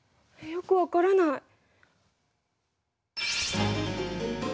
よく分からない。